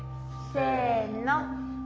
せの。